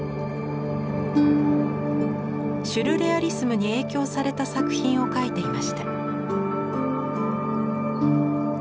シュルレアリスムに影響された作品を描いていました。